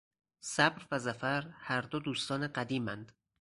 صبر و ظفر هر دو دوستان قدیماند...